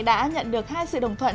có thể nhận được hai sự đồng thuận